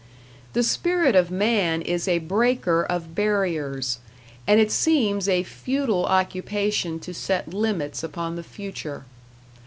The spirit of man is a breaker of barriers, and it seems a futile occupation to set limits upon the future.